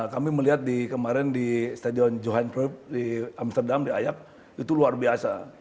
kami melihat kemarin di stadion johan cruyff di amsterdam di ayak itu luar biasa